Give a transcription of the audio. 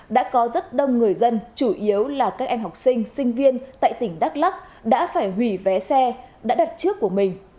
đã có rất đông người dân chủ yếu là các em học sinh sinh viên tại tỉnh đắk lắc đã phải hủy vé xe đã đặt trước của mình